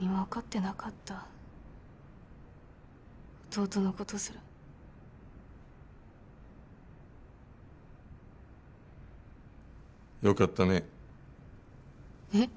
何も分かってなかった弟のことすらよかったねえっ？